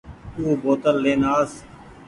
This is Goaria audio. او بوتل لين آس